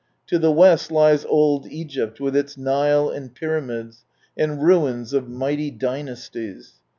To the west lies old Egypt, with its Nile and pyramids, and ruins of mighty dynasties.